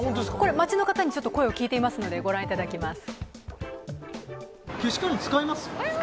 街の方に声を聞いていますので、ご覧いただきます。